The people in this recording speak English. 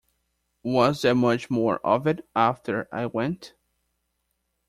Was there much more of it after I went?